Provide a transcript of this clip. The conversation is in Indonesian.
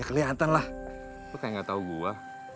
ya keliatan lah lu kayak nggak tahu gua